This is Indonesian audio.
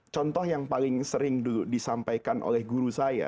contoh yang paling sering dulu disampaikan oleh guru saya